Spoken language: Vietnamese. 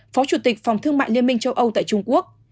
phó chủ tịch phòng thương mại liên minh châu âu tại trung quốc